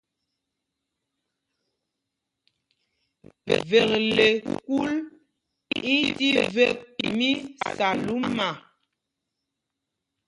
Vekle kûl i tí vek mí Salúma.